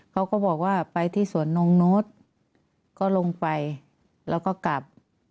เขาก็บอกว่าไปที่สวนนงนุษย์ก็ลงไปแล้วก็กลับ